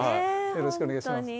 よろしくお願いします。